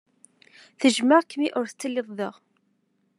Tejjmeɣ-k mi ur tettilid da.